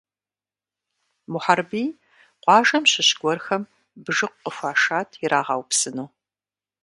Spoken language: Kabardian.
Мухьэрбий къуажэм щыщ гуэрхэм бжыкъу къыхуашат ирагъэупсыну.